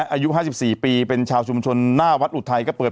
อายุห้าสิบสี่ปีเป็นชาวชุมชนหน้าวัดอุทไทยก็เปิด